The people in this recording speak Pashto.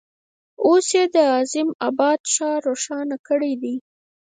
اوس یې د عظیم آباد ښار روښانه کړی دی.